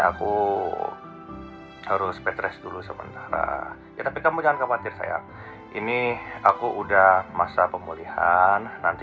aku harus petres dulu sementara ya tapi kamu jangan khawatir saya ini aku udah masa pemulihan nanti